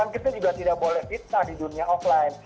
kita juga tidak boleh fitnah di dunia offline